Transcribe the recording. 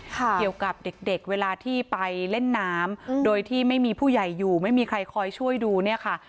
เกี่ยวกับเด็กเด็กเวลาที่ไปเล่นน้ำโดยที่ไม่มีผู้ใหญ่อยู่ไม่มีใครคอยช่วยดูเนี่ยค่ะ